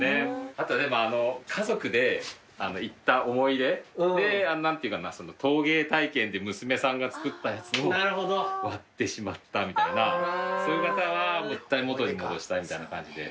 あとは家族で行った思い出で陶芸体験で娘さんが作ったやつを割ってしまったみたいなそういう方は元に戻したいみたいな感じでいらっしゃいますね。